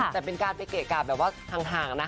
แต่เป็นการไปเกะกะแบบว่าห่างนะ